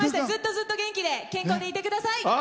ずっとずっと元気で健康でいてください！